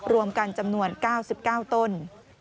รวมกันจำนวน๙๙ต้น